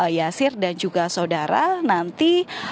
yasir dan juga saudara nanti